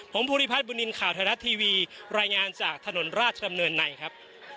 ผมภูริพัฒนบุญนินทร์ข่าวไทยรัฐทีวีรายงานจากถนนราชดำเนินในครับ